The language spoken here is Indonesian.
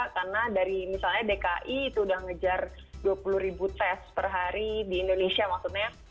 karena dari misalnya dki itu udah ngejar dua puluh ribu tes per hari di indonesia maksudnya